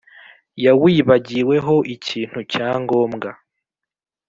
yawibagiweho ikintu cya ngombwa.